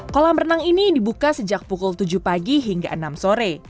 kolam renang ini dibuka sejak pukul tujuh pagi hingga enam sore